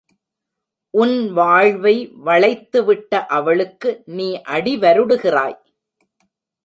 உன் வாழ்வை வளைத்துவிட்ட அவளுக்கு நீ அடி வருடுகிறாய்!